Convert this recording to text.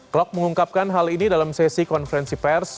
klok mengungkapkan hal ini dalam sesi konferensi pers